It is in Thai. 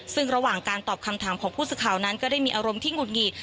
ซึ่งระหว่างการตอบคำถามของผู้สื่อข่าวนั้นก็ได้มีอารมณ์ที่หงุดหงิด